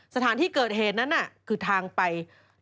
สถานที่เกิดเหตุนั้นคือทางไป